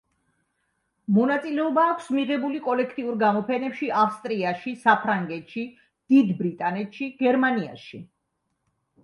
მონაწილეობა აქვს მიღებული კოლექტიურ გამოფენებში ავსტრიაში, საფრანგეთში, დიდ ბრიტანეთში, გერმანიაში.